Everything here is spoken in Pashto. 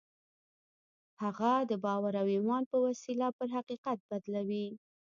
هغه د باور او ايمان په وسيله پر حقيقت بدلوي.